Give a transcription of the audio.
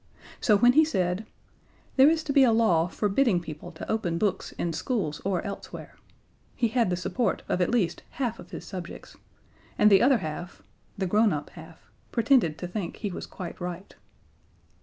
So when he said: "There is to be a law forbidding people to open books in schools or elsewhere" he had the support of at least half of his subjects, and the other half the grown up half pretended to think he was quite right.